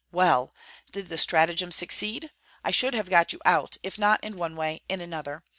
Well! did the stratagem succeed? I should have got you out, if not in one way, in another.